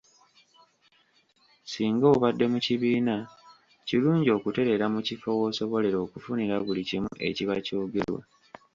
Singa obadde mu kibiina; kirungi okutereera mu kifo w’osobolera okufunira buli kimu ekiba kyogerwa.